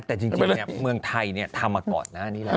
แต่จริงนี้เมืองไทยเนี่ยทำมาก่อนนะ